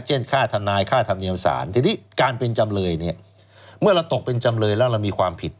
ค่าทนายค่าธรรมเนียมสารทีนี้การเป็นจำเลยเนี่ยเมื่อเราตกเป็นจำเลยแล้วเรามีความผิด